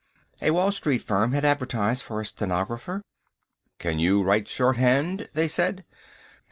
A Wall Street firm had advertised for a stenographer. "Can you write shorthand?" they said.